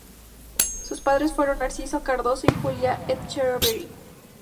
Sus padres fueron Narciso Cardoso y Julia Etcheverry.